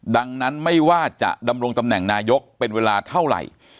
ดังนั้นไม่ว่าจะดำรงตำแหน่งนายกเป็นเวลาเท่าไหร่